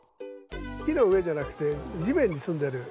木の上じゃなくて地面に住んでるリスなんで。